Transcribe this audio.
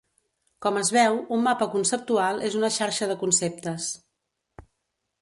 Com es veu, un mapa conceptual és una xarxa de conceptes.